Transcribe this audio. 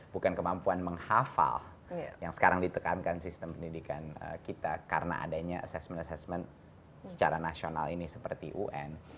bukan kemampuan menghafal yang sekarang ditekankan sistem pendidikan kita karena adanya assessment assessment secara nasional ini seperti un